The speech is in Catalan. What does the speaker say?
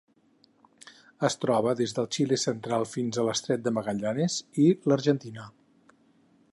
Es troba des del Xile central fins a l'Estret de Magallanes i l'Argentina.